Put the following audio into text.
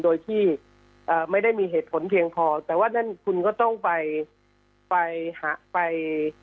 โดยที่ไม่ได้มีเหตุผลเพียงพอแต่ว่านั่นคุณก็ต้องไปไปหาไป